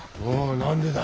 何でだ？